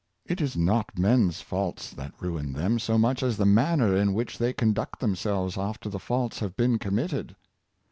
It is not men's faults that ruin them so much as the manner in which they conduct themselves after the faults have been committed.